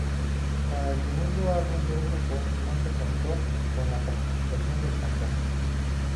Para el segundo álbum del grupo, no se contó con la participación del cantante.